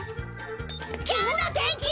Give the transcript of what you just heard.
「今日の天気」！